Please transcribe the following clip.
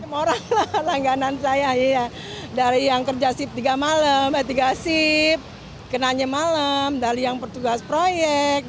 moral lah langganan saya dari yang kerja sip tiga malam tiga sip kenanya malam dari yang bertugas proyek